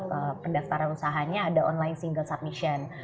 misalnya untuk pendaftaran usahanya ada online single submission